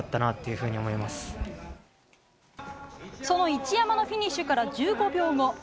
その一山のフィニッシュから１５秒後。